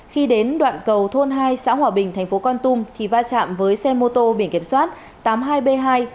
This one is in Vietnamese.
khi đến đoạn cầu thôn hai xã hòa bình thành phố con tum thì va chạm với xe mô tô biển kiểm soát tám mươi hai b hai ba nghìn tám trăm một mươi bảy